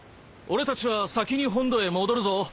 俺たちは先に本土へ戻るぞ。